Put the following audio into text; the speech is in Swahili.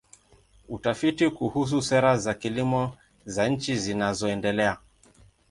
Utafiti kuhusu sera za kilimo za nchi zinazoendelea.